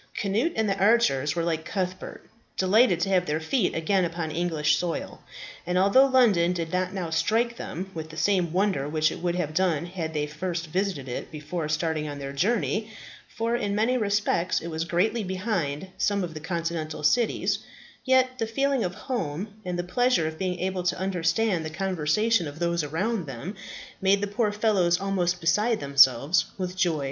Cnut and the archers were, like Cuthbert, delighted to have their feet again upon English soil; and although London did not now strike them with the same wonder which it would have done had they first visited it before starting on their journey for in many respects it was greatly behind some of the continental cities yet the feeling of home, and the pleasure of being able to understand the conversation of those around them, made the poor fellows almost beside themselves with joy.